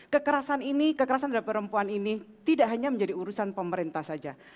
kekerasan ini kekerasan terhadap perempuan ini tidak hanya menjadi urusan pemerintah saja